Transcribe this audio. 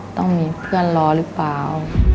ต้องมีเพื่อนรอหรือเปล่า